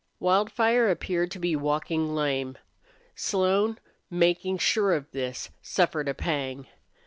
Wildfire appeared to be walking lame. Slone, making sure of this, suffered a pang.